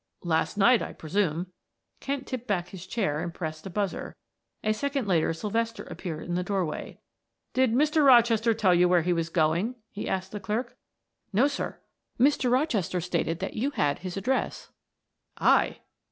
"Last night, I presume." Kent tipped back his chair and pressed a buzzer; a second later Sylvester appeared in the doorway. "Did Mr. Rochester tell you where he was going?" he asked the clerk. "No, sir. Mr. Rochester stated that you had his address. "I?"